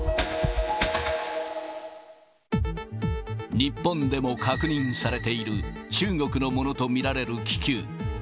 日本でも確認されている中国のものと見られる気球。